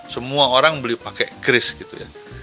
semua orang beli pakai cris gitu ya